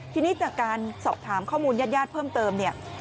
ทีนี้จากการสอบถามข้อมูลยาดเพิ่มเติม